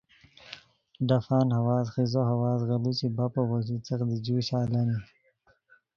ڈفان ہواز، خیزو ہواز، غیڑوچی بپو پوشی څیق دی جوشہ الانی